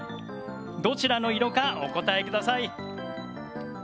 どちらの色かお答えください。